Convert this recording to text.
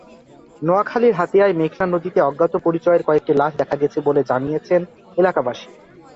নোয়াখালীর হাতিয়ায় মেঘনা নদীতে অজ্ঞাত পরিচয়ের কয়েকটি লাশ দেখা গেছে বলে জানিয়েছেন এলাকাবাসী।